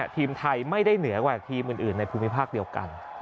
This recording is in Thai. ทีมไทยไม่ได้เหนือกว่าทีมอื่นในภูมิภาคเดียวกัน